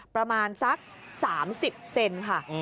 ประมาณสัก๓๐เซนค่ะ